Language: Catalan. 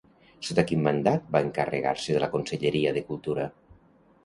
Sota quin mandat va encarregar-se de la conselleria de Cultura?